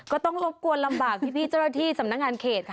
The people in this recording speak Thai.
ก็ต้องรบกวนลำบากพี่เจ้าหน้าที่สำนักงานเขตค่ะ